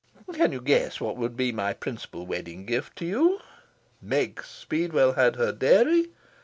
Can you guess what would be my principal wedding gift to you? Meg Speedwell had her dairy.